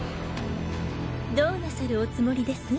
どうなさるおつもりです？